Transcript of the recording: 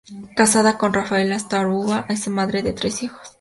Casada con Rafael Astaburuaga, es madre de tres hijos.